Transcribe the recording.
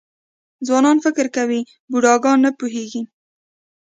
ځوانان فکر کوي بوډاګان نه پوهېږي .